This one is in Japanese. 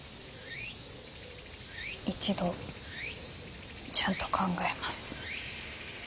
一度ちゃんと考えます。